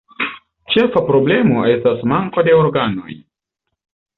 Ĉefa problemo estas manko de organoj.